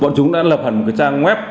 vẫn chúng đã lập hẳn một trang web